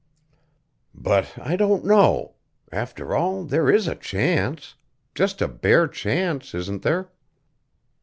"But I don't know after all, there is a chance. Just a bare chance, isn't there?"